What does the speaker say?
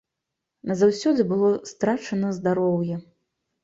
Назаўсёды было страчана здароўе.